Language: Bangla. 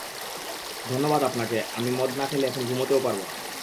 ধন্যবাদ আপনাকে, আমি মদ না খেলে এখন ঘুমাতেও পারবো না।